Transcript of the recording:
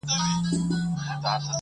د ماشوم خوله د خوږ وروسته ومينځئ.